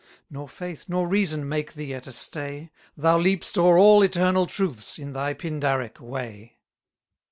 Nor faith nor reason make thee at a stay, Thou leap'st o'er all eternal truths, in thy Pindaric way!